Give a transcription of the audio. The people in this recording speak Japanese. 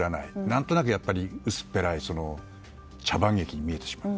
何となく薄っぺらい茶番劇に見えてしまう。